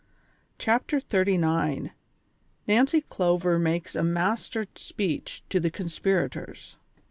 CHAPTER XXXIX. NANCY CLOVER MAKES A MASTER SPEECH TO THE CONSPIRATORS.